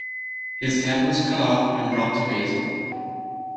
His head was cut off and brought to Basil.